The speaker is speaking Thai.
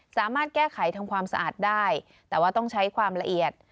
สามารถแก้ไขทำความสะอาดได้แต่ว่าต้องใช้ความละเอียด